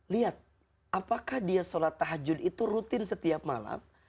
lihat apakah dia sholat tahajud itu rutin setiap malam